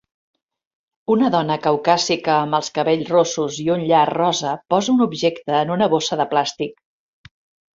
Una dona caucàsica amb els cabells rossos i un llaç rosa posa un objecte en una bossa de plàstic.